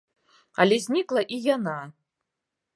Але знікла і яна.